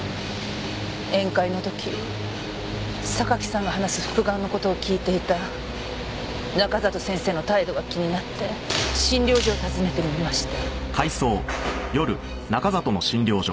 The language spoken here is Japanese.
宴会の時榊さんが話す復顔の事を聞いていた中里先生の態度が気になって診療所を訪ねてみました。